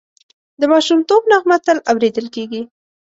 د ماشومتوب نغمه تل اورېدل کېږي